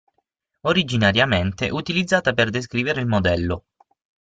Originariamente utilizzata per descrivere il modello.